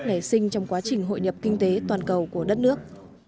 nảy sinh trong quá trình hội nhập kinh tế toàn cầu của đất nước